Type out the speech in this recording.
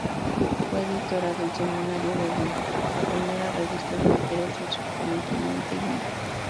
Fue editora del semanario "Begum", la primera revista de mujeres del subcontinente indio.